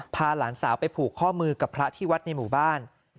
หลานสาวไปผูกข้อมือกับพระที่วัดในหมู่บ้าน